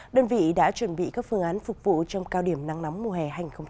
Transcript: đơn vị đã chuẩn bị các phương án phục vụ trong cao điểm nắng nóng mùa hè hai nghìn hai mươi bốn